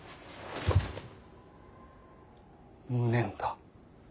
無念だ。